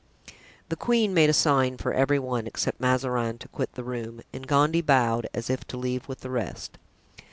The queen made a sign for every one, except Mazarin, to quit the room; and Gondy bowed, as if to leave with the rest.